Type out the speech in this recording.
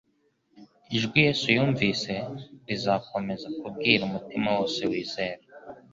Ijwi Yesu yumvise rizakomeza kubwira umutima wose wizera